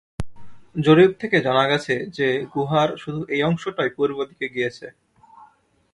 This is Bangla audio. জরিপ থেকে জানা গেছে যে গুহার শুধু এই অংশটাই পূর্ব দিকে গিয়েছে।